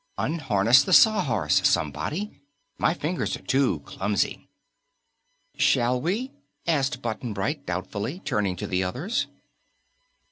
"Unharness the Sawhorse, somebody. My fingers are too clumsy." "Shall we?" asked Button Bright doubtfully, turning to the others.